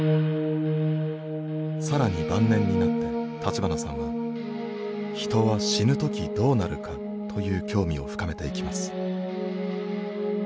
更に晩年になって立花さんは「ヒトは死ぬ時どうなるか」という興味を深めていきます。